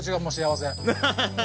アハハハハ！